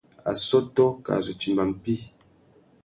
Assôtô kā zu timba mpí.